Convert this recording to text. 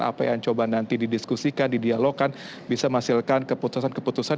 apa yang coba nanti didiskusikan didialogkan bisa menghasilkan keputusan keputusan